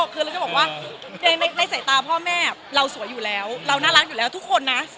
คือเราจะบอกว่าในสายตาพ่อแม่เราสวยอยู่แล้วเราน่ารักอยู่แล้วทุกคนนะ